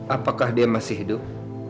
apakah dia masih hidup